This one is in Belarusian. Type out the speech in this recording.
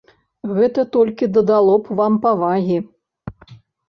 Гэта толькі дадало б вам павагі!